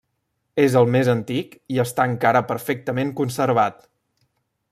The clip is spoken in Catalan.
És el més antic i està encara perfectament conservat.